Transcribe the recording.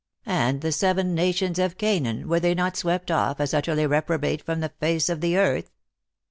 And the seven nations of Canaan, were they not swept off as utterly repro bate from the face of the earth